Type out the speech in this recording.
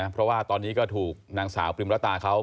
เพราะว่าตอนนี้ก็ถูกนางสาวปริมรตาเขา